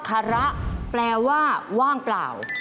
คาระแปลว่าว่างเปล่า